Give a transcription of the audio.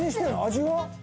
味は？